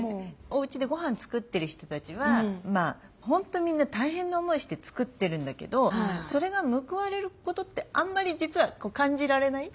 おうちでごはん作ってる人たちは本当みんな大変な思いして作ってるんだけどそれが報われることってあんまり実は感じられない？